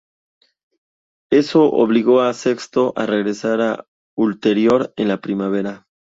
Eso obligó a Sexto a regresar a la Ulterior en la primavera.